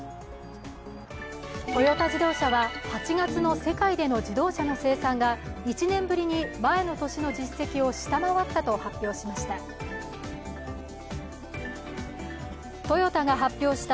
トヨタ自動車は８月の世界での自動車の生産が１年ぶりに前の年の実績を下回ったと発表しました。